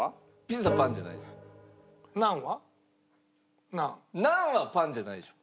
ピザパンじゃないです。